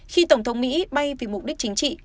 khi tổng thống mỹ bay vì mục đích chính trị